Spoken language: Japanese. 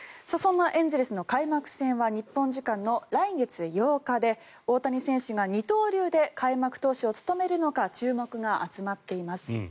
そんなエンゼルスの開幕戦は日本時間の来月８日で大谷選手が二刀流で開幕投手を務めるのか注目が集まっています。